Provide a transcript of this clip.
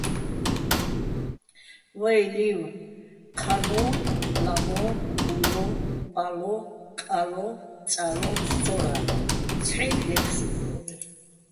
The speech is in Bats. ვაჲ ლი́ვ: ჴანო̆, ლამო̆, ულო̆, პალო̆, ყალო̆, წალო, სწორა, ცჰ̦აჲნი̆ გე́ფსუდოლიჼ.